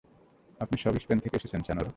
আপনি সবে স্পেন থেকে এসেছেন, সেনোরা?